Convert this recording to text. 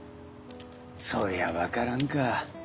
そりゃ分からんか。